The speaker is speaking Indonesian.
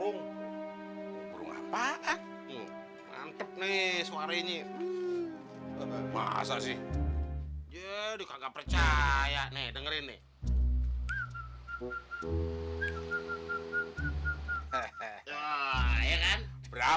ngantep nih suaranya masa sih jadi kagak percaya nih dengerin nih